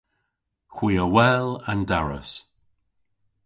Hwi a wel an daras.